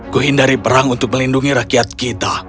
kuhindari perang untuk melindungi rakyat kita